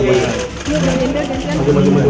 udah jauh pergi